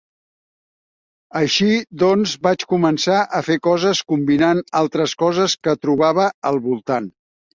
Així doncs vaig començar a fer coses combinant altres coses que trobava al voltant.